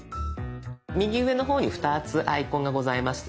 右上の方に２つアイコンがございますよね。